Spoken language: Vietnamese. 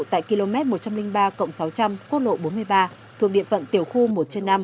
tại km một trăm linh ba sáu trăm linh quốc lộ bốn mươi ba thuộc địa phận tiểu khu một trên năm